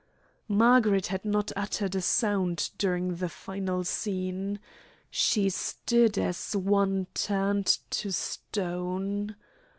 Margaret had not uttered a sound during the final scene. She stood as one turned to stone.